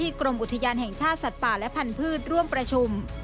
กรมอุทยานแห่งชาติสัตว์ป่าและพันธุ์ร่วมประชุม